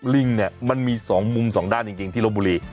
ลิงเนี่ยมันมี๒มุมสองด้านจริงที่ลบบุรี